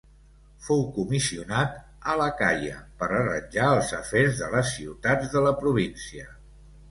Fou comissionat a l'Acaia per arranjar els afers de les ciutats de la província.